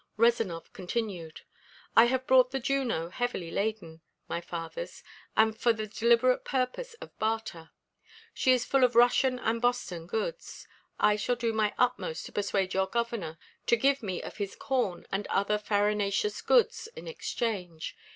Rezanov continued: "I have brought the Juno heavy laden, my fathers, and for the deliberate purpose of barter. She is full of Russian and Boston goods. I shall do my utmost to persuade your Governor to give me of his corn and other farinaceous foods in exchange.